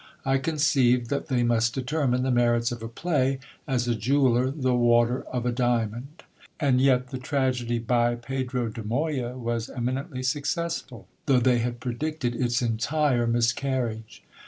I conceived that they must determine the merits of a play, as a jeweller the water of a diamond. > 8 o GIL BLAS. 'And yet the tragedy by Pedro de Moya was eminently successful, though they had predicted its entire miscarriage.